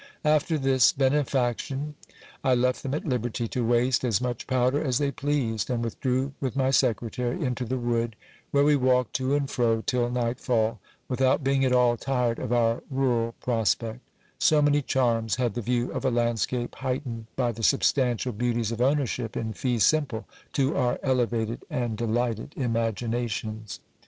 After this benefaction, I left them at liberty to waste as much powder as they pleased, and withdrew with my secretary into the wood, where we walked to and fro till night fall, without being at all tired of our rural prospect : so many charms had the view of a landscape, heightened by the substantial beauties of ownership in fee simple, to our elevated and de lighted imaginations.